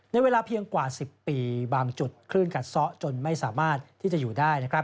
ในเวลาเพียงกว่า๑๐ปีบางจุดคลื่นกัดซ้อจนไม่สามารถที่จะอยู่ได้